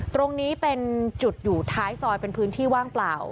ตรงนี้เป็นจุดอยู่ท้ายซอยเป็นพื้นที่ว่างเปล่า